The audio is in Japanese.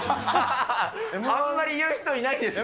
あんまりいう人いないですよ。